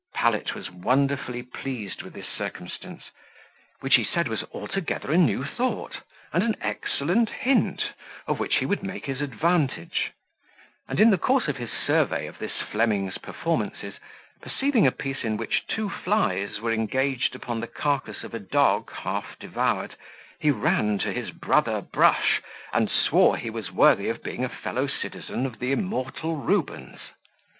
Pallet was wonderfully pleased with this circumstance, which he said was altogether a new thought, and an excellent hint, of which he would make his advantage: and, in the course of his survey of this Fleming's performances, perceiving a piece in which two flies were engaged upon the carcass of a dog half devoured, he ran to his brother brush, and swore he was worthy of being a fellow citizen of the immortal Rubens.